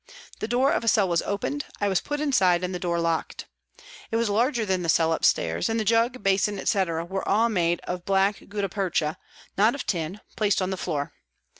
The door of a cell was opened, I was put inside and the door locked. It was larger than the cell upstairs, and the jug, basin, etc., were all made of black guttapercha, not of tin, placed on the floor.